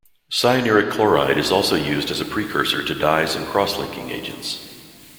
Cyanuric chloride is also used as a precursor to dyes and crosslinking agents.